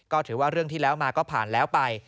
ก็ถือว่าเรื่องที่แล้วมาก็ผ่านแล้วไป